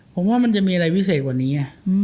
ผมว่ามันจะมีอะไรพิเศษกว่านี้